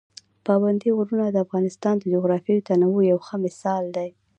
پابندي غرونه د افغانستان د جغرافیوي تنوع یو ښه مثال دی.